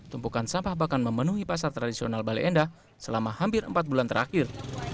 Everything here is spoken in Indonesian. tumpukan sampah bahkan memenuhi pasar tradisional bale endah selama hampir empat bulan terakhir